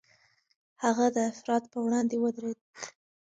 هغه د افراط پر وړاندې ودرېد.